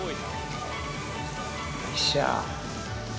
よっしゃあ。